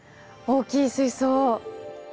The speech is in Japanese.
大きい水槽！